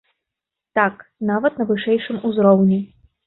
Так, нават на вышэйшым узроўні.